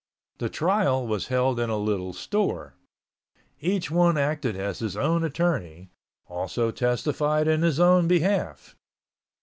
The trial was held in a little store. Each one acted as his own attorney, also testified in his own behalf.